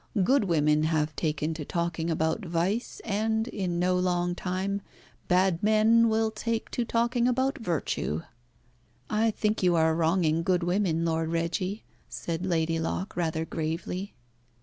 "Good women have taken to talking about vice, and, in no long time, bad men will take to talking about virtue." "I think you are wronging good women, Lord Reggie," said Lady Locke rather gravely.